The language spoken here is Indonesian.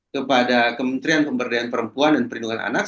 kepada kementerian pemberdayaan perempuan dan perlindungan anak